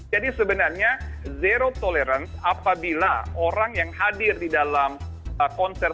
jadi sebenarnya zero tolerance apabila orang yang hadir di dalam konser